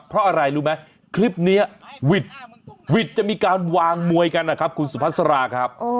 เพราะอะไรรู้ไหมคลิปนี้วิทย์จะมีการวางมวยกันนะครับคุณสุพัสราครับ